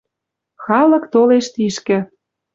Халык толеш тишкӹ.